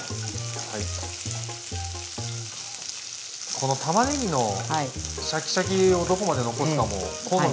このたまねぎのシャキシャキをどこまで残すかも好みですよね。